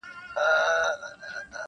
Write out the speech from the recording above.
ځواني مرګ دي سم چي نه به در جارېږم.